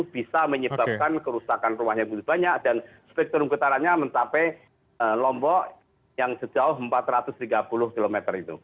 bisa menyebabkan kerusakan rumahnya begitu banyak dan spektrum getarannya mencapai lombok yang sejauh empat ratus tiga puluh km itu